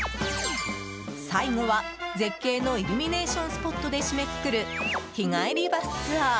最後は絶景のイルミネーションスポットで締めくくる日帰りバスツアー。